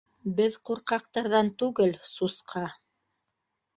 — Беҙ ҡурҡаҡтарҙан түгел, сусҡа